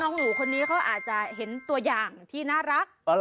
หนูคนนี้เขาอาจจะเห็นตัวอย่างที่น่ารัก